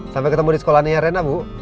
sampai ketemu di sekolahnya ya reina bu